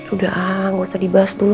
udah ah nggak usah dibahas dulu